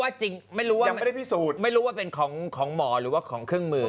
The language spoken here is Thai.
ก็ไม่รู้ว่าจริงไม่รู้ว่าเป็นของหมอหรือว่าของเครื่องมือ